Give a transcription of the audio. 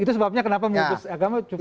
itu sebabnya kenapa memutus agama cukup